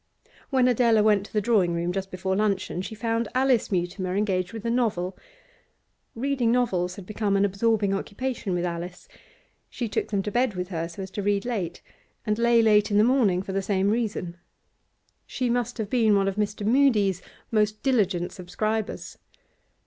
When Adela went to the drawing room just before luncheon, she found Alice Mutimer engaged with a novel. Reading novels had become an absorbing occupation with Alice. She took them to bed with her so as to read late, and lay late in the morning for the same reason. She must have been one of Mr. Mudie's most diligent subscribers.